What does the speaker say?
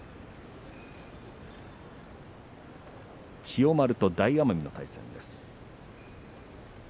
千代丸と大奄美の対戦です。